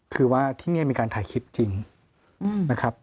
คือว่าที่นี่มีการถ่ายคลิปจริงนะครับ